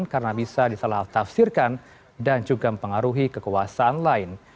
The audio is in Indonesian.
karena bisa disalah tafsirkan dan juga mempengaruhi kekuasaan lain